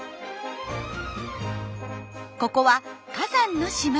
ここは火山の島。